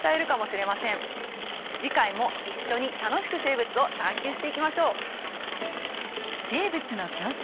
次回も一緒に楽しく生物を探究していきましょう。